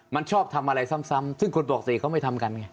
มันชอบทำอะไรซ้ำซึ่งคนปกติเขาไม่ทำกันไง